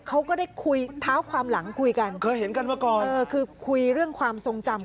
เขาก็ได้คุยเท้าความหลังคุยกันเคยเห็นกันมาก่อนเออคือคุยเรื่องความทรงจำ